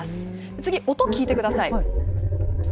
次、音聞いてください。